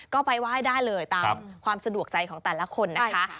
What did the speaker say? ก็ไปไหว้ได้เลยตามความสะดวกใจของแต่ละคนนะคะ